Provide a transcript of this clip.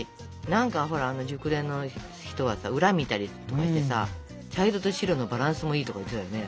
何かあの熟練の人はさ裏見たりとかしてさ茶色と白のバランスもいいとか言ってたよね？